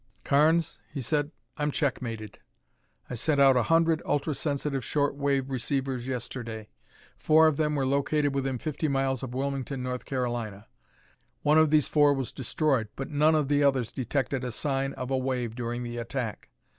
"Carnes," he said, "I'm check mated. I sent out a hundred ultra sensitive short wave receivers yesterday. Four of them were located within fifty miles of Wilmington, North Carolina. One of these four was destroyed, but none of the others detected a sign of a wave during the attack.